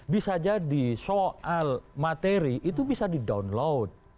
bisa jadi soal materi itu bisa di download